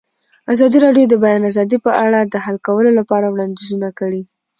ازادي راډیو د د بیان آزادي په اړه د حل کولو لپاره وړاندیزونه کړي.